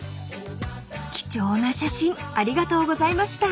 ［貴重な写真ありがとうございました］